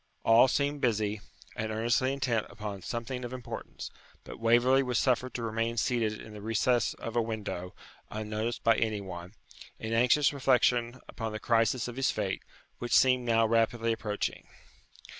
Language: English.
All seemed busy, and earnestly intent upon something of importance; but Waverley was suffered to remain seated in the recess of a window, unnoticed by any one, in anxious reflection upon the crisis of his fate, which seemed now rapidly approaching.